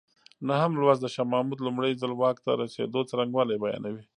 نهم لوست د شاه محمود لومړی ځل واک ته رسېدو څرنګوالی بیانوي.